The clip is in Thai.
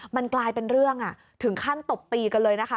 มันกลายเป็นเรื่องถึงขั้นตบตีกันเลยนะคะ